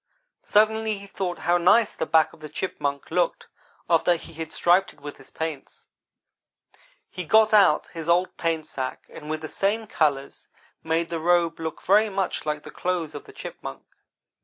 Suddenly he thought how nice the back of the Chipmunk looked after he had striped it with his paints. He got out his old paint sack and with the same colors made the robe look very much like the clothes of the Chipmunk.